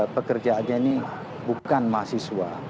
pekerjaannya ini bukan mahasiswa